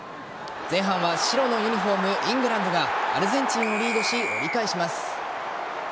前半は白のユニホームイングランドがアルゼンチンをリードし折り返します。